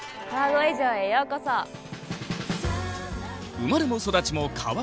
生まれも育ちも川越。